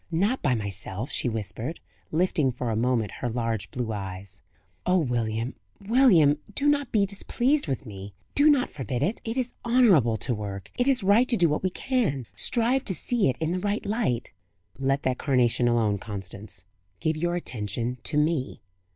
"Not by myself," she whispered, lifting for a moment her large blue eyes. "Oh, William, William, do not be displeased with me! do not forbid it! It is honourable to work it is right to do what we can. Strive to see it in the right light." "Let that carnation alone, Constance; give your attention to me.